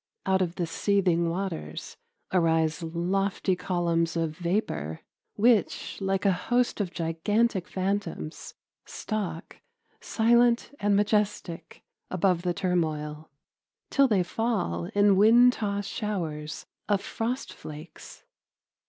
Out of the seething waters arise lofty columns of vapor, which like a host of gigantic phantoms stalk, silent and majestic, above the turmoil, till they fall in wind tossed showers of frost flakes.